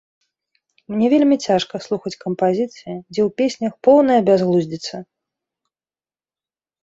Мне вельмі цяжка слухаць кампазіцыі, дзе ў песнях поўная бязглуздзіца.